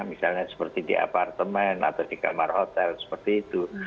misalnya seperti di apartemen atau di kamar hotel seperti itu